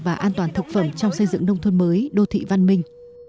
và an toàn thực phẩm trong xây dựng nông thôn mới đô thị văn minh